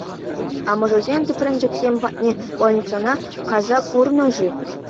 Амӑшӗсем тӗпренчӗкӗсем патне больницӑна кайса курнӑ-ши?